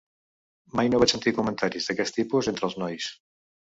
Mai no vaig sentir comentaris d'aquest tipus entre els nois.